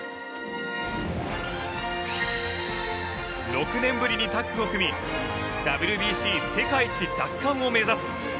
６年ぶりにタッグを組みＷＢＣ世界一奪還を目指す。